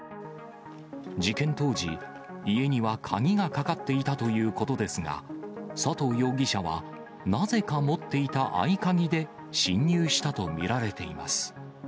事件当時、家には鍵がかかっていたということですが、佐藤容疑者は、なぜか持っていた合鍵で侵入したと見られています。